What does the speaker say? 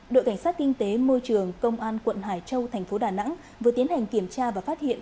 đội cảnh sát kinh tế môi trường công an quận hải châu thành phố đà nẵng vừa tiến hành kiểm tra và phát hiện